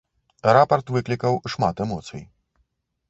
Рапарт выклікаў шмат эмоцый.